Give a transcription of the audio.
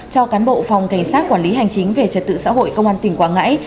cho cán bộ phòng cảnh sát quản lý hành chính về trật tự xã hội công an tỉnh quảng ngãi